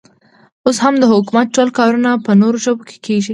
اوس هم د حکومت ټول کارونه په نورو ژبو کې کېږي.